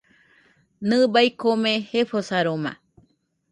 Nɨbai kome jefosaroma.